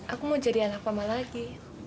aku mau jadi anak lama lagi